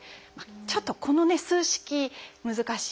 ちょっとこのね数式難しい。